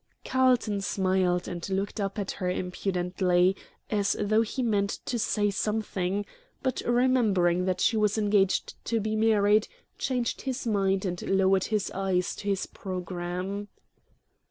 Carlton smiled, and looked up at her impudently, as though he meant to say something; but remembering that she was engaged to be married, changed his mind, and lowered his eyes to his programme.